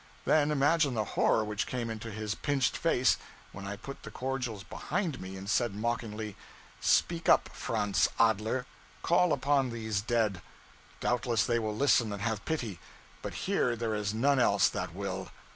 Then imagine the horror which came into this pinched face when I put the cordials behind me, and said mockingly 'Speak up, Franz Adler call upon these dead. Doubtless they will listen and have pity; but here there is none else that will.'